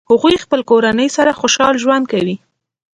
هغوی خپلې کورنۍ سره خوشحال ژوند کوي